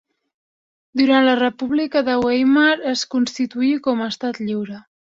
Durant la República de Weimar es constituí com a Estat Lliure.